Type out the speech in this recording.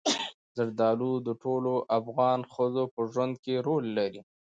زردالو د ټولو افغان ښځو په ژوند کې رول لري.